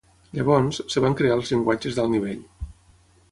Llavors, es van crear els llenguatges d'alt nivell.